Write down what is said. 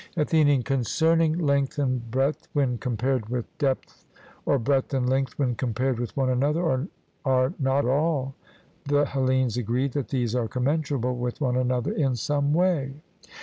ATHENIAN: Concerning length and breadth when compared with depth, or breadth and length when compared with one another, are not all the Hellenes agreed that these are commensurable with one another in some way?